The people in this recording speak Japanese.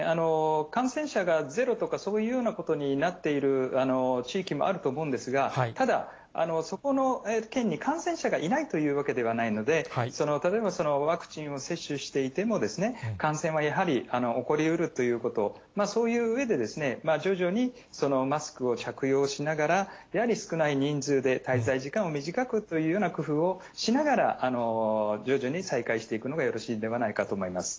感染者がゼロとかそういうふうなことになっている地域もあると思うんですが、ただ、そこの県に感染者がいないというわけではないので、例えばワクチンを接種していても、感染はやはり起こりうるということ、そういううえで、徐々にマスクを着用しながら、やはり少ない人数で、滞在時間を短くというような工夫をしながら、徐々に再開していくのがよろしいんではないかと思います。